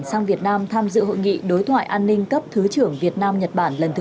sang việt nam tham dự hội nghị đối thoại an ninh cấp thứ trưởng việt nam nhật bản lần thứ tám